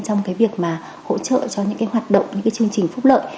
trong việc hỗ trợ cho những hoạt động những chương trình phúc lợi